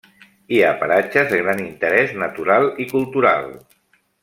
Hi ha paratges de gran interés natural i cultural.